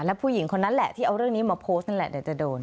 และผู้หญิงคนนั้นแหละที่เอาเรื่องนี้มาโพสต์นั่นแหละเดี๋ยวจะโดน